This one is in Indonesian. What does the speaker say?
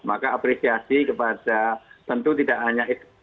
maka apresiasi kepada tentu tidak hanya itu